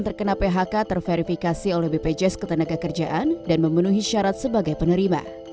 pekerja yang terkena phk terverifikasi oleh bpjs ketenagakerjaan dan memenuhi syarat sebagai penerima